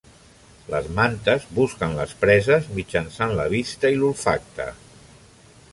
Les mantes busquen les preses mitjançant la vista i l'olfacte.